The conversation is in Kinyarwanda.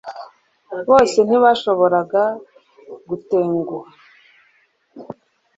bose ntibashoboraga gutenguha